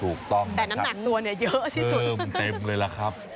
และน้ำหนักตัวนี่จะเยอะที่สุด